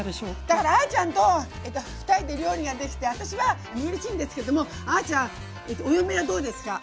だからあちゃんと２人で料理ができて私はうれしいんですけどもあちゃんお嫁はどうですか？